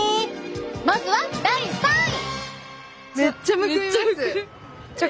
まずは第３位！